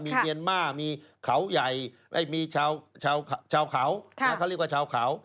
มีเมียนมาร์มีเขาใหญ่มีชาวเขาเขาเรียกว่าชาวเขา